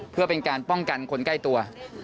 เพื่อเป็นการป้องกันคนใกล้ตัว